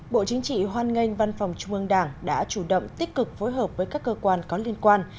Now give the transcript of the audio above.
bộ chính trị hoan nghênh văn phòng trung ương đảng đã chủ động tích cực phối hợp với các cơ quan có liên quan